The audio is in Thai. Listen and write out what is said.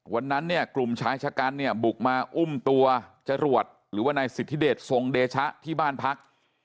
วันนั้นเนี่ยกลุ่มชายชะกันเนี่ยบุกมาอุ้มตัวจรวดหรือว่านายสิทธิเดชทรงเดชะที่บ้านพัก